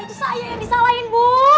itu saya yang disalahin bu